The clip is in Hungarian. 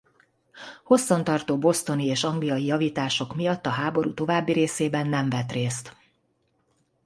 Hosszan tartó bostoni és angliai javítások miatt a háború további részében nem vett részt.